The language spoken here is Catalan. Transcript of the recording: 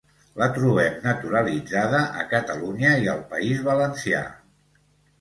La trobem naturalitzada a Catalunya i al País Valencià.